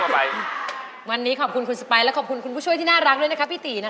วันนี้ขอบคุณคุณสไปและขอบคุณคุณผู้ช่วยที่น่ารักด้วยนะคะพี่ตีนะคะ